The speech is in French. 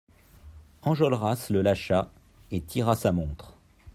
Enjolras le lâcha et tira sa montre.